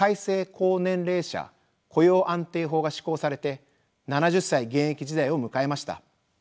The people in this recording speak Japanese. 高年齢者雇用安定法が施行されて７０歳現役時代を迎えました。